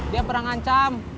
dia pernah ngancam